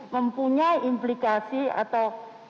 mempunyai implikasi atau